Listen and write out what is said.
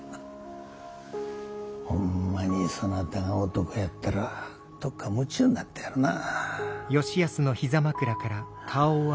ほんまにそなたが男やったら徳子も夢中になったやろなぁ。